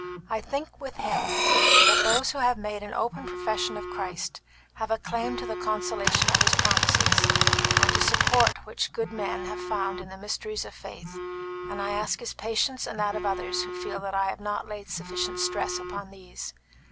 I think with him, that those who have made an open profession of Christ have a claim to the consolation of His promises, and to the support which good men have found in the mysteries of faith; and I ask his patience and that of others who feel that I have not laid sufficient stress upon these.